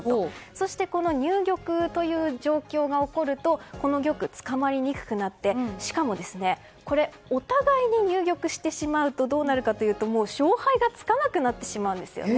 そして入玉という状況が起こるとこの玉、つかまりにくくなってしかもお互いに入玉してしまうとどうなるかというと勝敗がつかなくなるんです。